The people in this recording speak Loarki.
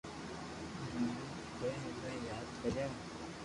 مي ٺني ايلائي ياد ڪريو